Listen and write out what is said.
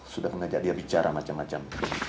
sudah mengajak dia bicara macam macam